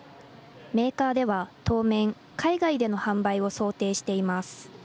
メーカーでは当面、海外での販売を想定しています。